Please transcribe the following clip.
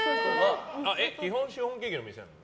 基本シフォンケーキの店なの？